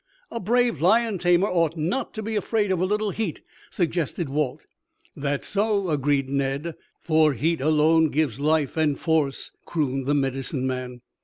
"A brave lion tamer ought not to be afraid of a little heat," suggested Walt. "That's so," agreed Ned. "For heat alone gives life and force," crooned the Medicine Man.